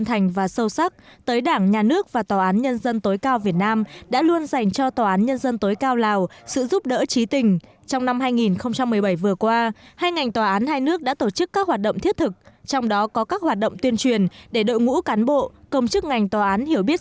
hành vi trục lợi lạm dụng quỹ bảo hiểm y tế còn phổ biến